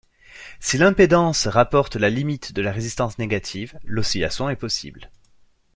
Si l'impédance rapporte la limite de la résistance négative, l'oscillation est possible.